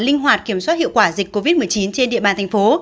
linh hoạt kiểm soát hiệu quả dịch covid một mươi chín trên địa bàn thành phố